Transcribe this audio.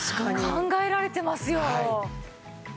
考えられてますよ。